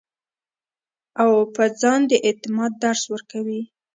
او پۀ ځان د اعتماد درس ورکوي -